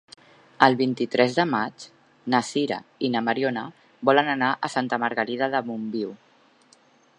El vint-i-tres de maig na Sira i na Mariona volen anar a Santa Margarida de Montbui.